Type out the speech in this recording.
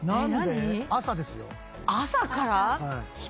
朝ですよ。